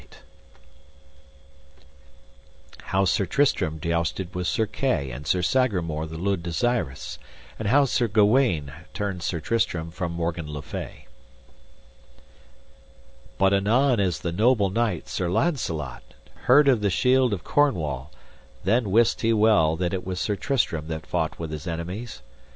CHAPTER XXIV. How Sir Tristram jousted with Sir Kay and Sir Sagramore le Desirous, and how Sir Gawaine turned Sir Tristram from Morgan le Fay. But anon as the noble knight, Sir Launcelot, heard of the shield of Cornwall, then wist he well that it was Sir Tristram that fought with his enemies.